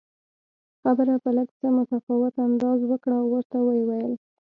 خبره په لږ څه متفاوت انداز وکړه او ورته ویې ویل